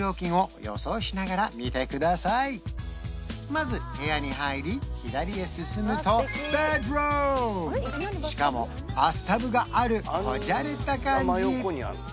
まず部屋に入り左へ進むとしかもバスタブがあるこじゃれた感じ